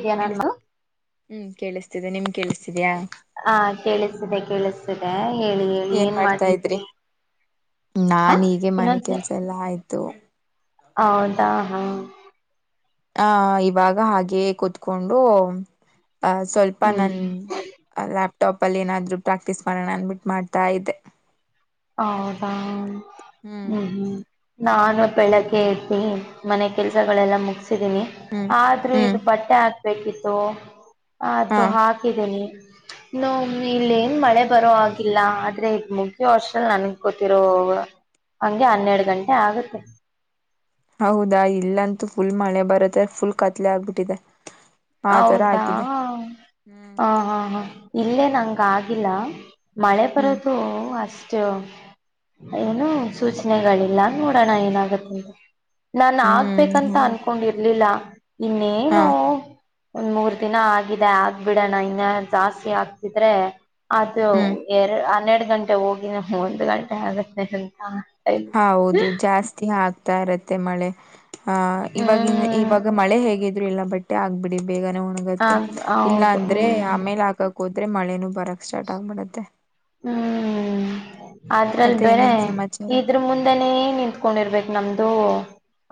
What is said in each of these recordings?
ಇದೆಯಾ ನಾನು ಹ್ಮ್, ಕೇಳಿಸ್ತಿದೆ ನಿಮ್ದ, - ಕೇಳಿಸಿತಿದಯಾ... ಹ, ಕೇಳಿಸಿದೆ- ಕೇಳಿಸಿದೆ. ಏನ್ ಮಾಡ್ತಾದ್ರೀರಿ ಹ ನಾನೀಗ ಮನೆ ಇನ್ನೊಂದ್ಸ ಕೆಲ್ಸ ಎಲ್ಲಾ ಆಯ್ತು. - ಹೌದಾ, ಹಾ- ಹ ಇವಾಗ ಹಾಗೆ ಕೂತ್ಕೊಂಡು. ಆ ಸ್ವಲ್ಪ ಹ್ಮ್ ನನ್ನ ಲ್ಯಾಪ- ಟಾಪ್ ಅಲ್ಲಿ ಏನಾದ್ರು ಪ್ರಾಕ್ಟೀಸ್ ಮಾಡೋಣ ಅಂದ್ಬಿಟ್ಟು ಮಾಡ್ತಾ ಇದ್ದೆ. - ಹೌದಾ,, ಹ್ಮ್, ಹ್ಮ್ ನಾನು ಬೆಳಗ್ಗೆ. - ಈ ಮನೆ ಕೆಲಸಗಳೆಲ್ಲ ಮುಗಸ- ಹ್ಮ್ ಆದ್ರೂ ಹ್ಮ್ ಇದು ಬಟ್ಟೆ ಹಾಕ- ಬೇಕಿತೂ.. - ಹಾ ಅದು ಹಾಕಿದ್ದೀನಿ. ನೋ ಇಲ್ಲ ಏನ್ ಮಳೆ ಬರೋಹಾಗಿಲ್ಲ ಆದ್ರೆ ಮುಗಿಯುವಷ್ಟ, - ನನ್ಗ್ ಗೊತ್ತಿರೋ ಹಂಗೆ ಹನ್ನೆರಡು ಗಂಟೆ ಆಗತ್ತೆ. - ಹೌದಾ, ಇಲ್ಲಂತೂ ಫುಲ್ ಮಳೆ ಬರುತ್ತೆ ಫುಲ್ ಕತ್ಲೆ ಆಗ್ಬಿಟ್ಟಿದೆ. - ಹೌದಾ, ಹ್ಮ್ ಹಾ, ಹಾ, ಹಾ,, ಇಲ್ಲೇ ನಂಗ ಆಗಿಲ್ಲ. ಮಳೆ ಹ್ಮ್ ಪರತ ಅಸ್ [unintelligible] ಅಷ್ಟು ಏನು ಸೂಚನೆಗಳಿಲ್ಲ ನೋಡೋಣ ಏನಾಗತ್ತ ಅಂತ ನಾನು ಆಗ್ಬೇಕಂತ ಹ್ಮ್ ಅಂದ್ಕೊಂಡಿರ್ಲಿಲ್ಲ ಹಾ ಇನ್ನೇನು ಒಂದ್ ಮೂರ್ ದಿನ ಆಗಿದೆ ಆಗ್ಬಿಡೋಣ ಇನ್ನ ಜಾಸ್ತಿ ಆಗ್ತಿದ್ರೆ ಅದು ಹ್ಮ್ ಅನ್ನೆಡು ಗಂಟೆ ಹೋಗಿ ನಮ ಒಂದು ಗಂಟೆ ಆಗತ್ತೆ ಕೆಲ್ಸ ಹೌದು ಜಾಸ್ತಿ ಆಕ್ ತ ಇರುತ್ತೆ ಮಳೆ ಹ ಇವವಾಗಿನ್ ಹ್ಮ್ ಇವಾಗ ಮಳೆ ಹೇಗಿದೆ ಇದ ಎಲ್ಲ ಬಟ್ಟೆ ಆಗ್ಬಿಡಿ ಬೇಗನೆ ಹ ಒಣಗತ್ತೆ ಇಲ್ಲ ಹೌದು ಅಂದ್ರೆ ಹ್ಮ್ ಆಮೇಲೆ ಹಾಕಕ್ ಹೋದ್ ಆದ್ರೆ ಮಳೆನೂ ಬರಕ್ ಸ್ಟಾರ್ಟ್ ಆಗ್ಬಿಡುತ್ತೆ ಹ್ಮ ಅದ್ರಲ್ಲಿ ಮತ್ತೆ ಬೇರೆ ಇನ್ನೇನ್ ಸಮಾಚಾರ ಇದ್ರ ಮುಂದೆನೇ ನಿಂತ್ಕೊಂಡಿರ್ಬೇಕಕ್ ನಮ್ದು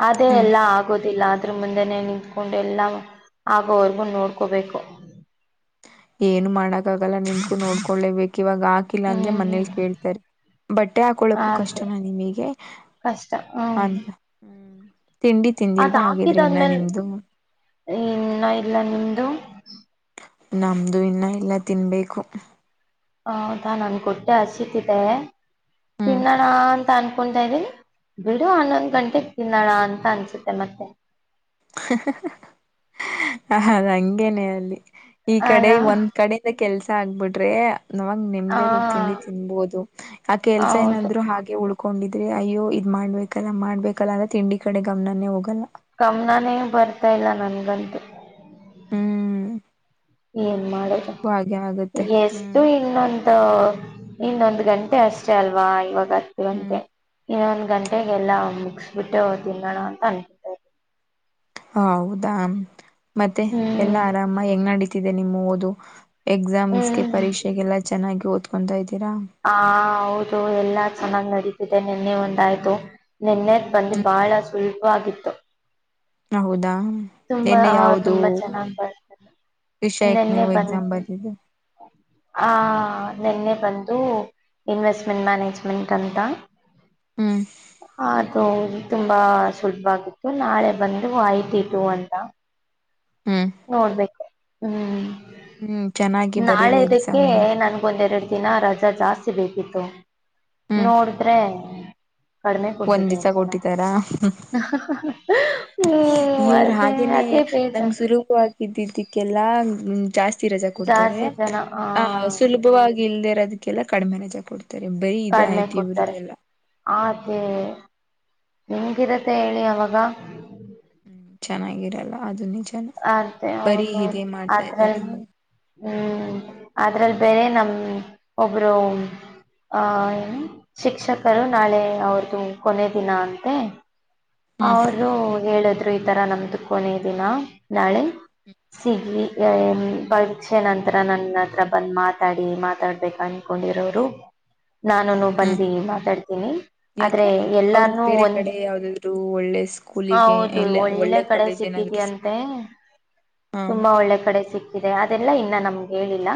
ಅದೇ ಹ್ಮ್ ಎಲ್ಲ ಆಗೋದಿಲ್ಲ ಅ ಮುಂದೆನೆೇ ನಿಂತ್ಕೊಂಡು ಎಲ್ಲಾ ಆಗೋವರ್ಗು ನೋಡ್ಕೋಬೇಕು ಏನು ಮಾಡಕ್ಕ ಆಗಲ್ಲ ನಿಮಗು ನೋಡ್ಕೊಳ್ಳೇಬೇಕು ಇವಾಗ ಹಾಕಿಲ್ಲ ಅಂದ್ರೆ ಹ್ಮ್ ಹ್ಮ್ ಮನೇಲಿ ಕೇಳ್ತಾರೆ ಬಟ್ಟೆ ಹಾಕಳಕ್ಕೂ ಅದು ಕಷ್ಟನ ನಿಮಗೆ ಕಷ್ಟ ಹ್ಮ್ ಅಂತ ಹ್ಮ ತಿಂಡಿ ತಿಂಡಿಲ್ವ ಹಾಗಿದ್ರಿ ಇನ್ನ ನಿಮ್ದು ಇನ್ನೂ ಇಲ್ಲ ನಿಮ್ದು ನಮ್ದು ಇನ್ನ ಇಲ್ಲ ತಿನ್ಬೇಕು ಹದಾ ನನ್ ಹೊಟ್ಟೆ ಹಸಿತಿದ್ದ ಹ್ಮ್ ತಿನ್ನೋಣ ಅಂತ ಅನ್ ಕೊಂತ ಇದೀನಿ ಬಿಡು ಹನ್ನೊಂದ್ ಗಂಟೆಗೆ ತಿನ್ನೋಳ ಅಂತ ಅನ್ಸುತ್ತೆ ಮತ್ತೆ ಹದು ಹಂಗೇನೆೇ ಅಲ್ಲಿ ಈ ಅಲ್ಲ ಕಡೆ ಒಂದ್ ಕಡೆಯಿಂದ ಕೆಲ್ಸ ಆಗ್ಬಿಟ್ಟು ತ್ರೇ ನಾವಾಗ ನೆಮ್ದಗ ಹೋಗಿ ತಿಂಡಿ ಹ ತಿನ್ಬಹುದು ಆ ಕೆಲ್ಸ ಹೌದು ಏನಾದ್ರು ಹಾಗೆ ಉಳ್ ಕೊಂಡಿದ್ರೆ ಅಯ್ಯೋ ಇದ್ ಮಾಡ್ಬೇಕಲ್ಲ ಮಾಡ್ಬೇಕಲ್ಲ ಅಲ್ಲ ತಿಂಡಿ ಕಡೆ ಗಮನನೇ ಹೋಗಲ್ಲ ಕಮ್ನಾನೇ ಬರ್ತಾ ಇಲ್ಲ ನನ್ಗಂತೂ ಹ್ಮ್ ಏನ್ ಮಾಡುದ ನನಗೂ ಹಾಗೆ ಆಗುತ್ತೆ ಎಷ್ಟು ಹ್ಮ್ ಇನ್ನೊಂದು ಇನ್ನೊಂದು ಗಂಟೆ ಅಷ್ಟೇ ಅಲ್ವಾ ಇವಾಗ ಬರ್ತ ಹ್ಮ್ ಗಂತೆೆ ಇ ಗಂಟೆಗೆಲ್ಲ ಮುಗಿಸಬಿಟ್ಟೆ ತಿನ್ನೋಣ ಅಂತ ಅನ್ಕೊತ್ವಿ ಹ ಹೌದಾ ಮತ್ತೆ ಹ್ಮ್ ಎಲ್ಲಾ ಆರಾಮ ಹೆಂಗ್ ನಡತಿ ಇದೆ ನಿಮ್ಮ ಓದು ಎಕ್ಸಾಮ್ಸ್ಗೆ ಪರೀಕ್ಷೆಗೆಲ್ಲ ಚೆನ್ನಾಗಿ ಓದ್ ಒಂದಾಯತಿ ಹಾ ಹೌದು ಎಲ್ಲ ಚೆನ್ನಾಗ್ ನಡೀತಿದೆ ನಿನ್ನೆ ಒಂದಾಯ್ತು ನೆನ್ನೆ ಬಂದು ಬಾಲ ಸುಲ್ ಆತ್ತು ಹೌದಾ ನಿನ್ನೆ ಯಾವ್ದ ತುಂಬಾ ಚೆನ್ನಾಗ್ ಬರ್ತಾರೆ ವಿಷಯಕ್ ನಿನ್ನೆ ನೀವು ಎಕ್ಸಾಮ್ ಬಂದು ಬರ್ದಿದ್ದು ಆ ನಿನ್ನೆ ಬಂದು ಇನ್ವೆಸ್ಟ್ಮೆಂಟ್ ಮ್ಯಾನೇಜ್ಮೆಂಟ್ ಅಂತ ಹ್ಮ್ ದು ತುಂಬಾ ಸುಲಭ ಆಗತ್ತು ನಾಳೆ ಬಂದು ಐತಿ ಇ ನೀ ಅಂತ ಹ್ಮ್ ನೋಡ್ಬೇಕು ಹ್ಮ್ ಹ್ಮ್ ಚೆನ್ನಾಗಿ ನಾಳೆ ಬರೀರಿ ಇದಕ್ಕೆ ಎಕ್ಸಾಮ್ನ ನಂಗ್ ಒಂದ್ ಎರೆಡ್ ದಿನಾ ರಜಾ ಜಾಸ್ತಿ ಬೇಕಿತ್ತು ಹ್ಮ್ ನೋಡಿದ್ರೆ ಕಡಿಮೆ ಒಂದ್ ಕೊಟ್ಟಿದಾರೆ ದಿವ್ಸ ಜನ ಕೊಟ್ಟಿದಾರಾ ಹ್ಮ ಅರ್ದೇ ಅದ ಬೇಜಾರು ಗಿದ್ದಿದ್ದಕ್ಕೆಲ್ಲ ಜಾಸ್ತಿ ರಸ ಕೊಡ್ತಾರೆ ಜಾಸ್ತಿ ಜನ ಆ ಸುಲಭವಾಗಿ ಇಲ್ದ ಇರೋದಕ್ಕೆಲ್ಲ ಕಡಿಮೆ ರಜಾಗ ಕೊತ ಕಡಿ್ಮೆ ಕೊಡ್ತಾರೆ ಹ್ಮ್ ಅದೇ ಎಂಗಿರುತ್ತೆ ಹೇಳಿ ಅವಾಗ ಹ್ಮ್ ಚೆನ್ನಾಗಿರಲ್ಲ ಅದುನ್ನ ಅದೇ ಹೌದೌದು ಇದ್ದಾರೆ ಆದ್ರಲ್ ಇವಾಗ ಹ್ಮ್ ಅದ್ರಲ್ಲಿ ಬೇರೆ ನಮ ಒಬ್ರು ಆಹಏ ಶಿಕ್ಷಕರು ನಾಳೆ ಅವ್ರದುು ಕೊನೆ ದಿನ ಅಂತೆ ಹ್ಮ್ ಅವರು ಹೇಳಿದ್ರು ಇ ಈ ತರ ನಮ್ದು ಕೊನೇ ದಿನ ನಾಳೆ ಸಿಗವಿ ಅ ಪರೀಕ್ಷೆ ನಂತರ ನನ್ನ ಹತ್ರ ಬಂದ್ ಮಾತಾಡಿ ಮಾತಾಡ್ಬೇಕ ಅನ್ಕೊಂಡಿರೋರು ನಾನುನು ಹ್ಮ್ ಬಂದು ಮಾತಾಡ್ತೀನಿ ಆದ್ರೆ ಯಾಕೆ ಅವ್ರು ಎಲ್ಲಾರ್ನುೂ ಬೇರೆ ಒಂದ ಕಡೆ ಯಾವ್ದಾದ್ರು ಒಳ್ಳೆ ಸ್ಕೂಲಿಗೆ ಹೌದು ಇಲ್ಲ ಒಳ್ಳೆ ಕಡೆ ಕಾಲೇಜ್ ಸಿಕ್ಕಿದ ಏನಾದ್ರು ಅಂತೆ ಸಿಕ್ಕಿದ್ಯಾ ಹ ತುಂಬಾ ಒಳ್ಳೆ ಕಡೆ ಸಿಕ್ಕಿದೆ ಅದೆಲ್ಲಾ ಇನ್ನ ನಮ್ಗೆ ಹೇಳಿಲ್ಲ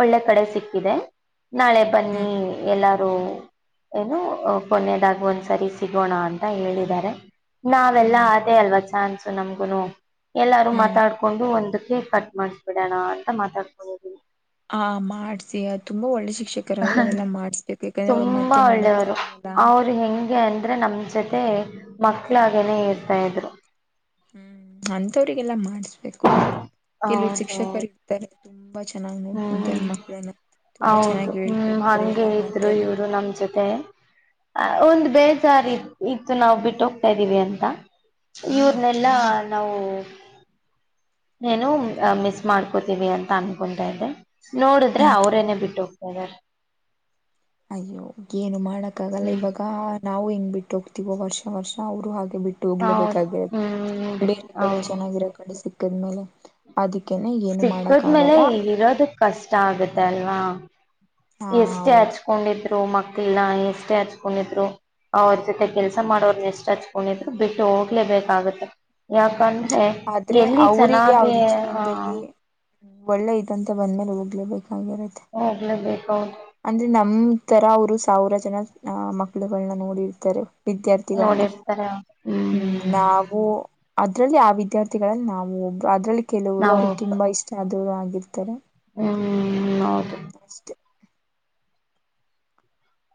ಒಳ್ಳೆ ಕಡೆ ಹ್ಮ್ ಸಿಕ್ಕಿದೆ ನಾಳೆ ಹ್ಮ್ ಬನ್ನಿ ಎಲ್ಲ ಏ ಕೊನೆ ಕೊನೆಯದಾಗ ಒಂದ್ಸರಿ ಸಿಗೋಣ ಅಂತ ಹೇಳಿದ್ದಾರೆ ನಾವೆಲ್ಲಾ ಹ್ಮ್ ಅಟೇ ಅಲ್ವಾ ಚಾನ್ಸ್ ನಮಗೇನ ಹ್ಮ್ ಮಾತಾಡಿಕೊಂಡು ಒಂದು ಕೇಕ್ ಕಟ್ ಮಾಡಿಸ್ಬಿಡೋಣ ಅಂತ ಮಾತಾಡಿಕೊಳ್ಳೋದು ಹಾ ಮಾಡ್ಸಿ ತುಂಬಾ ಒಳ್ಳೆ ಸಿ ಶೀಕ್ರು ಅವೆಲ್ಲ ಮಾಡುಸ್ಬೇಕಿತ್ತು, ಮತ್ತೆ ತುಂಬಾ ನೋಡಕ್ ಸಿಗಲ್ವಲ್ಲ ಅ ನಮ್ ಜೊತೆ ಮಕ್ಳಾಗನೆೇ ಇರ್ತಾ ಇದ್ರು ಹ್ಮ್ ಅಂತವ್ರಿಗೆಲ್ಲಾ ಮಾಡ್ಸ ಬಿ ಕೆಲವರು ಹೌದು ಹೌದು ಶಿಕ್ಷಕರು ಇರ್ತಾರೆ ತುಂಬಾ ಚೆನ್ನಾಗ್ ನೋಡ್ಕೊಂತಾರೆ ಹ್ಮ್ ಮಕ್ಕಳನ್ನ ತುಂಬಾ ಹೌದು ಚೆನ್ನಾಗಿ ಹೇಳ್ಕೊಡ್ತಾರೆ ಎಲ್ಲಾ ಮಾಡ್ತಾರೆ ಮತ್ತೆ ಹ್ಮ್ ಹ ಬೇ ಸರ್ ಇ ಇತ್ತು ನಾವು ಬಿಟ್ಟ ಹೋಗ್ತಾ ಇದ್ದೀವಿ ಅಂತ ಹ್ಮ್ ಇವರ್ನೆಲ್ಲಾ ನಾವು ನಾನು ಮಿಸ್ ಮಾಡ್ಕೋತೀದೆ ಅಂತ ಅನ್ಕೊಂಡ್ತಾಯಿದೆ ನೋಡಿದ್ರೆ ಹ್ಮ್ ಅವ್ರೇರೇನೆೇ ಬಿಟ್ಟುಹೋ ಹ ಅಯ್ಯೋ ಏನು ಮಾಡ ತಗೊಳ್ಬೇಕಾ ನಾವು ಹೆಂಗ್ ಬಿಟ್ಟು ವರ್ಷ ವರ್ಷ ಅವರು ಹಾಗೆ ಬಿಟ್ಟು ಹೌದು ಹೋಗ್ಲೇಬೇಕಾಗಿರತ್ತೆ ಹ್ಮ್ ಬೇರೆ ಕಡೆ ಹೌದು ಚೆನ್ನಾಗಿರೋ ಕಡೆ ಸಿ ದ್ದೇಲೆ ಅದು ಸಿಕ್ಕದ್ಮೇಲೆ ಇರೋದು ಕಷ್ಟ ಇಷ್ಟ ಆಗುತ್ತೆ ಅಲ್ವಾ ಹ ಎಷ್ಟೇ ಹೌದು ಹಚ್ಕೊಂಡಿದ್ರು ಮಕ್ಳನ್ನ ಎಷ್ಟೇ ಹಚ್ಕೊಂಡಿದ್ರು ಅವ್ರ ಜೊತೆ ಕೆಲ್ಸ ಮಾಡೋರನ್ನ ಎಷ್ಟ್ ಹಚ್ಕೊಂಡಿದ್ರು ಬಿಟ್ಟು ಹೋಗಲೇಬೇಕಾಗುತ್ತ ಯಾಕಂದ್ರೆ ಆದ್ರೆ ಎಲ್ಲಿ ಅವರಿಗೆ ಚೆನ್ನಾಗೇ ಅವ್ರ ಅಹ ಜೀವನದಲ್ಲಿ ಒಳ್ಳೆ ಅಂತ ಬಂದ್ಮೇಲೆ ಹೋಗಲೇಬೇಕು ರಾಗಿರುತ್ತೆ ಹೋಗ್ಲೇಬೇಕು ಹೌದು ಅಂದ್ರೆ ನಮ್ಮ ತರ ಅವರು ಸಾವಿರ ಜನ ಅಹ ಮಕ್ಕಳುಗಳನ್ನ ನೋಡಿರ್ತಾರೆ ವಿದ್ಯಾರ್ಥಿಗಳನ್ನ ನೋಡಿರ್ತಾರೆ ಅವ್ರು ಹ್ಮ್ ನಾವು ಅದ್ರಲ್ಲಿ ಯಾವ ವಿದ್ಯಾರ್ಥಿಗಳಲ್ಲಿ ನಾವು ಒಬ್ಬ ಅದ್ರಲ್ಲಿ ಕೆಲವರು ನಾವು ಅವ್ರಿಗೆ ತುಂಬಾ ಇಷ್ಟ ಆದರು ಇರ್ತಾರೆ ಹಾ ಹ್ಮ ಅಷ್ಟೆ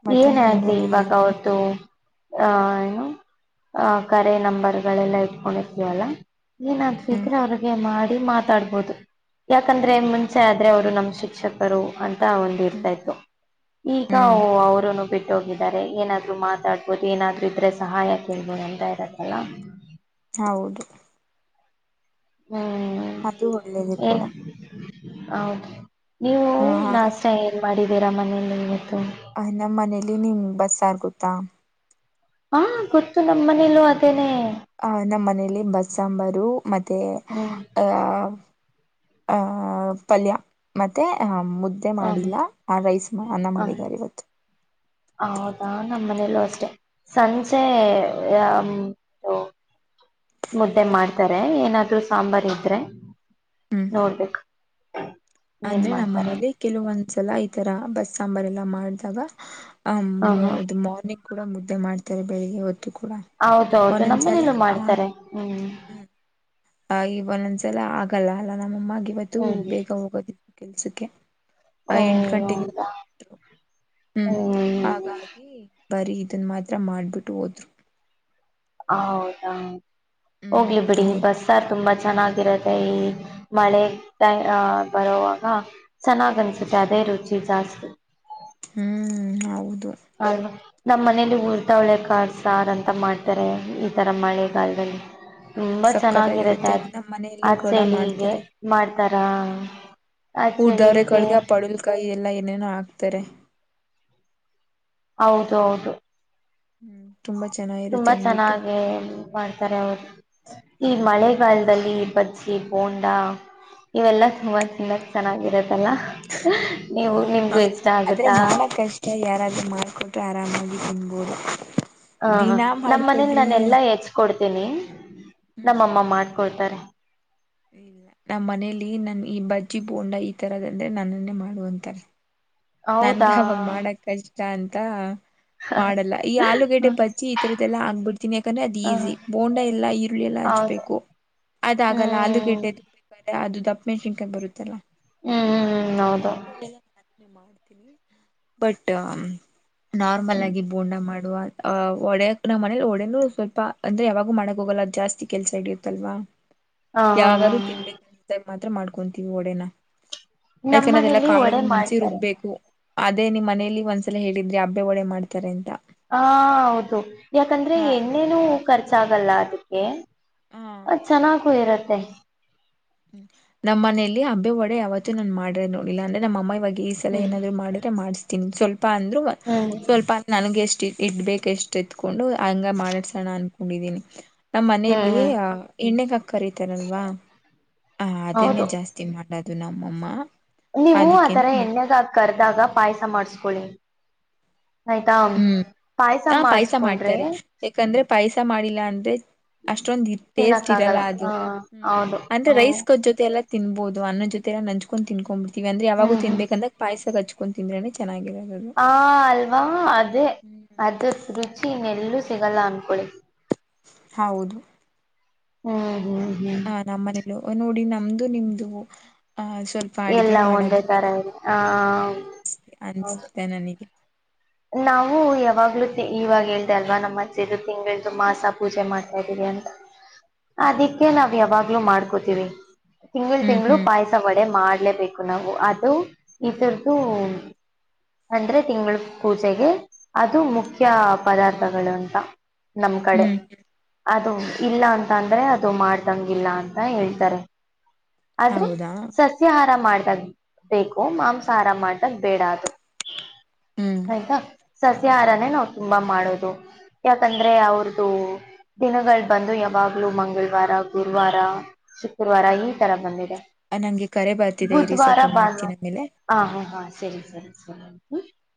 ಮತ್ತೆ ಏನಾಗಲಿ ಇನ್ನೆಲ್ಲ ಇವಾಗ ಆರಾಮ ಅವತ್ತು ಆ ಏನು ಆ ಕರೆ ನಂಬರ್ ಗಳೆಲ್ಲ ಇಟ್ಕೊಂಡತೀವಲ್ಲ ಏನ್ ಹ್ಮ್ ಸಿದ್ರೆ ಅವ್ರಿಗೆ ಮಾಡ ಮಾತಾಡಬಹುದು ಯಾಕಂದ್ರೆ ಮುಂಚೆ ಆದ್ರೆ ಅವರು ನಮ್ಮ ಶಿಕ್ಷಕರು ಅ ಒಂದ ಇರ್ತಾ ಹ್ಮ್ ಇತ್ತು ಈಗ ಹ್ಮ್ ಅವರುನು ಬಿಟ್ಟು ಹೋಗಿದ್ದಾರೆ ಏನಾದ್ರು ಮಾತಾಡ್ಬೋದು ಏನಾದ್ರು ಇದ್ರೆ ಸಹಾಯ ಕೇಳ್ಬೋದು ಎಂತ ಇರತ್ತಲ್ಲ ಹೌದು ಹ್ಮ್ ಅದು ಒಳ್ಳೇದ ಕೂಡ ಏನ್ ಹೌದು ನೀವು ಹ ಆರ ನಾಸಾ ಮಾಡಿದ್ದೀರಾ ಮನೇೆಯಲ್ಲಿ ಇವತ್ತು ಅ ನಮ್ಮ್ ಮನೇಲಿ ನಿಮ್ ಬಸ್ ಆರ್ಗುತ್ತಾ ಹಾ ಗೊತ್ತು ನಮ್ ಮನೇಲೂ ಅದೇನೆ ಆಹ ನಮ್ಮ ಮನೇಲಿ ಬಸ್ ಸಾಂಬಾರು ಮತ್ತೆ ಹ್ಮ್ ಅಹ ಅಹ್ ಪಲ್ಯ ಮತ್ತೆ ಅ ಮುದ್ದೆ ಹ್ಮ್ ಮಾಡಿಲ್ಲ ಆ ರೈಸ್ ಮಾ ಅನ್ನ ಹ್ಮ್ ಮಾಡಿದ್ದಾರೆ ಇವತ್ತು ಹೌದಾ ನಮ್ಮ್ ಮನೇಲ್ಲೂ ಅಷ್ಟೆ ಸಂಜೆ ಮುದ್ದೆ ಮಾಡ್ತಾರೆ ಏನಾದ್ರೂ ಸಾಂಬಾರ್ ಇದ್ರೆ ಹ್ಮ್ ನೋಡ್ಬೇಕು ಹ ಅಂದ್ರೆ ನಮ್ಮ್ ಮನೇಲಿ ಕೆಲವೊಂದ್ಸಲ ಈತರ ಬಸ್ ಸಾಂಬಾರ್ ಎಲ್ಲ ಮಾಡಿದಾಗ ಹ ಹಾ ಹೌದು ಮಾರ್ನಿಂಗ್ ಕೂಡ ಮುದ್ದೆ ಮಾಡ್ತಾರೆ ಬೆಳಿಗ್ಗೆ ಹೊ ಹೌದೌದು ನಮ್ಮನೇಲ್ಲೂ ಮಾಡ್ತಾರೆ ಹ್ಮ್ ಹ್ಮ್ ಆ ಇವಂದೊಂದ್ಸಲ ಆಗಲ್ಲ ಅಲ್ಲ ನಮ್ಮಮ್ಮ ಇವತ್ತು ಹ್ಮ್ ಹ್ಮ್ ಬೇಗ ಹೋಗೋದತ್ತು. ಕೆಲ್ಸಕ್ಕೆ. ಆ ಓ ಎಂಟು ಗಂಟೆಗೆ ಹೌದಾ ಹೋಗರು ಹ್ಮ್ ಹಾಗಾಗಿ. ಬರೀ ಇದನ್ನ ಮಾತ್ರ ಮಾಡಿಬಿಟ್ಟು ಹೋದ್ರು. ಹೌದಾ. ಹ್ಮ್ ಹೋಗ್ಲಿ ಬಿಡಿ ಹೌದು ಬಸ್ಸಾರ್ ತುಂಬಾ. ಚೆನ್ನಾಗಿರತ್ತೆ ಈ ಮಳೆ ಬರಾಗ ಚೆನ್ನಾಗಿ್ ಅನ್ಸುತ್ತೆ ಅದೇ ರುಚಿ ಜಾಸ್ತಿ. ಹ್ಮ್ ಹೌದು. ಹ. ನಮ್ಮ್ ಮನೇಲಿ ಊರ್ ತಾವಳೆ ಕಾರ್ ಸಾರ್ ಅಂತ ಮಾಡ್ತಾರೆ. ತರ ಮಳೆಗಾಲದಲ್ಲಿ ತುಂಬಾ ಚೆನ್ನಾಗಿರುತ್ತೆ ಸಕ್ಕತ್ತಾಗಿರುತ್ತೆ ನಮ್ ಅಆ ಮನೆಯಲ್ಲೂ ಕೂಡ ಚಳಿಗೆ ಮಾಡ್ತಾರೆ. ಮಾಡ್ತಾರ ಹ್ಮ್ ಆ ಚಳಿಗೆ. ಉತ್ತರೆ. ಹೌದು ಹೌದು. ಹ್ಮ್ ತುಂಬಾ ಚೆನ್ನಾಗಿರುತ್ತೆ ತುಂಬಾ ಅಂದ್ಬಿಟ್ಟು. ಚೆನ್ನಾಗೆ ಮಾಡ್ತಾರೆ ಅವರು ಈ ಹ್ಮ್ ಮಳೆಗಾಲದಲ್ಲಿ. ಬಜ್ಜಿ ಬೋಂಡಾ ಇವೆಲ್ಲ ತುಂಬಾ ಚೆನ್ನಾಗಿ ಚೆನ್ನಾಗಿರತ್ತೆ. ಲ್ಲ ನೀವು ನಿಮ್ಗೂ ಹೌದು ಇಷ್ಟ ಆಗುತ್ತಾ. ಆಕೋಟ್ಟೆ ಆರಾಮಗ ಒಂಬೋರು. ಹ ನಮ್ಮ ಮನನ್ ನಾನ ಎಲ್ಲಾ ಹೆಚ್ಕ ಕೊಡ್ತನಿ. ತನೆ. ನಮ್ಮಮ್ಮಮ್ಮ. ಕೊಡ್ತಾರೆ. ಇಲ್ಲ ನಮ್ಮ್ ಮನೇಲಿ ನನ್ ಈ ಬಜ್ಜಿ ಬೋಂಡಾ ಈ ತರದಂದ್ರೆ ನನ್ನನ್ನೇ ಮಾಡುವ ಅಂತಾರೆ. ನನ್ಗೆ ಹೌದಾ ಅವಾಗ ಮಾಡಕಷ್ಟ. ಜಂತ. ಮಾಡಲ್ಲ ಈ ಹ್ಮ ಆಲೂಗೆಡ್ಡೆ ಬಚ್ಚಿ ಈ ತರದ್ದೆಲ್ಲ ಹಾಂಗಬಿಡ್ತೀನಿ ಯಾಕಂದ್ರೆ ಅದ ಹ ಈಸಿ ಬೋಂಡ ಎಲ್ಲಾ ಈರುಳ್ಳಿ ಎಲ್ಲ ಹೌದು ಹಚ್ಬೇಕು ಅದಾಗಲ್ಲ ಹ್ಮ್ ಆಲೂಗೆಡ್ಡೆ ತು್ರೆ ಅದು ದಪ್ಪ. ಮೇಕಿಂಗಕಾಯ ಬರುತ್ತಲ್ಲ. ಹ್ಮ್ ಹ್ಮ್ ಹೌದು ಇಲ್ಲ. ಮಾಡಿ. ಬಟ್. ನಾರ್ಮಲ್ ಆಗಿ ಬೋಂಡಾ ಮಾಡ. ಒಡೆಯಕ್ ನ್ ಮನೇಲಿ ಒಡೆನ ಸ್ವಲ್ಪ ಅಂದ್ರೆ ಯಾವಾಗೂ ಮಾಡಕ್ ಹೋಗಲ್ಲ ಜಾಸ್ತಿ ಕೆಲ್ಸ ಹಿಡಿಯುತ್ತಲ್ವಾ. ಹ ಹಾ ಹಾ ಯಾವಾರೂ ತಿನ್ಬೇಕಂದ. ಮಾತ್ರ ಮಾಡ್ಕೊಂತೀವಿ ಡೆನ. ನಮ್ಮ ಮನಲಿ ಒಡೆ ಮಾಡ್ತಾರೆ. ರುಬ್ಬೇಕು ಅದೇ ನಿಮ್ ಮನಲಿ ಒಂದ್ಸಲ ಹೇಳಿದ್ರೆ ಹಬ್ಬೆ ಒಡೆೆ ಮಾಡ್ತಾರೆ ಅಂತ. ಹ ಹೌದು ಯಾಕಂದ್ರೆ ಹ ಎಣ್ಣೆನು ಖರ್ಚ ಆಾಗಲ್ಲ ಅದಕ್ಕೆ ಹಾ ಅದ್ ಚೆನ್ನಾಗೂ ಇರತ್ತೆ ತ್ತೆ ್ಮ ನಮ್ಮ್ ಮನೆಯಲ್ಲಿ ಹಬ್ಬೆ ಒಡೆ ಯಾವತ್ತೂ ನನ್ ಮಾಡ್ರೆ ನೋಡಿಲ್ಲ ಅಂದ್ರೆ ನಮ್ಮ ಅಮ್ಮ ಇವಾಗ ಈ ಸಲ ಹ್ಮ್ ಏನಾದ್ರು ಮಾಡಿದ್ರೆ ಮಾಡ್ತೀನಿ ಸ್ವಲ್ಪ ಪ್ ಅಂದ್ರು ಹ್ಮ್ ಸ್ವಲ್ಪ ನನಗೆ ಎಷ್ಟಿ ಇಡ್ಬೇಕು ಎಷ್ಟುಿತ್ಕೋ ಕೊಂಡು ಹಂಗ ಮಾಡಡ್ಸೋಣ ಅನ್ ಕೊಂಡಿದೀನಿ ನಮ್ಮ್ ಹ್ಮ್ ಮನೆಯಲ್ಲಿ ಹ್ಮ್ ಎಣ್ಣೆಗ ಕರತಾರಲ್ವಾ ಹಾ ಅದನ್ನೇ ಹೌದು ಜಾಸ್ತಿ ಮಾಡ ಡ್ದುನ ನಮ್ ಅಮ್ಮ ನೀವು ಆತರ ಎಣ್ಣೆಗಾಗಿ ಕರ್ದಾಗ ಪಾಯಸ ಮಾಡ್ಸ್ಕೊಳ್ಳಿ ಹ್ಮ್ ಆ ಪಾಯಸ ಮಾಡ್ತಾರೆ ಯಾಕಂದ್ರೆ ಪಾಯಸ ಮಾಡಿಲ್ಲಾ ಅಂದ ಅಷ್ಟೊಂದ ಟೇಸ್ಟ್ ತಿನ್ನಕ್ಕ ಇರಲ್ಲ ಆಗಲ್ಲ ಅದು ಹ ಹ್ಮ್ ಹೌದು ಅಂದ್ರೆ ಹ್ಮ್ ರೈಸ್ ಕ ಜೊತೆ ಎಲ್ಲ ತಿನ್ಬಹುದು ಅನ್ನ ಜೊತೆಲ್ಲ ನಂಚ್ಕೊಂಡು ತಿನ್ಕೊ್ು ಅಂದ್ರೆ ಯಾಗೂ ಹ್ಮ್ ಹ್ಮ್ ತಿನ್ಬೇಕಂದಕ್ಾಯಸಕಕ್ಚ್ಚು ತಕೊಂಡಂತಿಂದ್ರೆನೆ ಚೆನ್ನಾಗಿದೆ ಹಾ ಅಲ್ವಾ ಅದು ಹ್ಮ್ ಅದು ರುಚಿ ನೆು ಸಿಗಲ್ಲ ಆನ್ ಕೋಳಿ ಹೌದು ಹ್ಮ್ ಹ್ಮ್ ಹ್ಮ್ ಹಾ ನಮ್ಮ್ ಮನೆ ನೋಡಿ ನಮ್ದು ನಿಮ್ದ ಎಲ್ಲ ಒಂದೇ ತರ ಇದೆ ಒಂದೇ ತರ ಇದೆ ಹ ಅನ್ಸ್ತಿದೆ ನನಗೆ ನಾವು ಯಾವಾಗ್ಲೂ ಇವಾಗ ಹೇಳ್ದ ಅಲ್ವಾ ನಮ್ಮ ಅಜ್ಜಿ ದು ತಿಂಗಳ್ದು ಮಾಸ ಪೂಜೆ ಮಾಡ್ತಾ ಇದ್ದೀವಿ ಅಂತ ಹ್ಮ್ ಅದಕ್ಕೆ ನಾವ್ ಯಾವಾಗ ಮಾಡ್ಕೋತೀರಿ ತಿಂಳ ಹ್ಮ್ ತಿಂಗಳು ಹ್ಮ್ ಪಾಯಸ ಒಡೆ ಮಾಡಿ ಇಲೇಬೇಕು ನಾವು ಅದು ಇದರದು ಅಂದ್ರೆ ತಿಂಗಳು ಪೂಜೆಗೆ ಅದು ಮುಖ್ಯ ಪದಾರ್ಥಗಳು ಅಂತ ನಮ್ ಕಡೆ ಹ್ಮ್ ಅ [inaudible] ಅದು ಇಲ್ಲ ಅಂತ ಅಂದ್ರೆ ಅದು ಮಾಡ್ದಂಗಿಲ್ಲ ಅಂತ ಹೇಳ್ತಾರೆ. - ಆದ್ರೆ ಹೌದಾ ಸಸ್ಯಾಹಾರ ಮಾಡಿ, - ಬೇಕು. ಮಾಂಸಹಾರ ಮಾಡದ ಬೇಡ ಅದು. - ಹ್ಮ್ ಸಸ್ಯಾಹಾರನೇ ನಾವು ತುಂಬಾ ಮಾಡೋದು. ಯಾಕಂದ್ರೆ ಅವ್ರದು ದಿನಗಳು ಬಂದು ಯಾವಾಗ್ಲೂ ಮಂಗಳವಾರ, ಗುರುವಾರ- ಶುಕ್ರವಾರ ಈ ತರ ಬಂದಿದೆ ನಂಗೆ ಕರೆ ಬರ್ತಿದೆ ಇರಿ ಬುಧವಾರ, ಸ್ವಲ್ಪ ಭಾನುವಾರ ಮಾಡ್ತೀನಿ ಆಮೇಲೆ ಹ ಹ ಹಾ ಸರಿ, ಸರಿ- ಸ [inaudible]